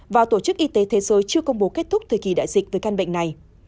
và tổ chức y tế thế giới chưa công bố kết thúc thời kỳ đại dịch với căn bệnh này